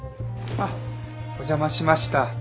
あっお邪魔しました。